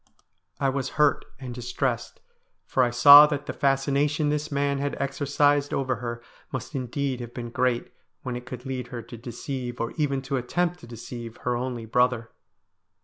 I was hurt and distressed, for I saw that the fascination this man had exercised over her must indeed have been great when it could lead her to deceive, or even to attempt to deceive, her only brother.